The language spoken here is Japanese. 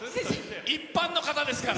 一般の方ですから。